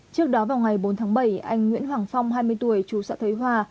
trước đó vào ngày bốn tháng bảy anh nguyễn hoàng phong hai mươi tuổi chú xã thới hòa